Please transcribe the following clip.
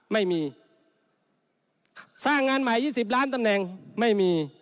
ไม่มีสร้างงานใหม่๒๐ล้านตำแหน่งไม่มี